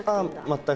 全く。